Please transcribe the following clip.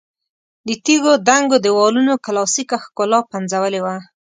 د تیږو دنګو دېوالونو کلاسیکه ښکلا پنځولې وه.